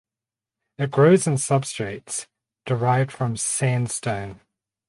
It grows in substrates derived from sandstone.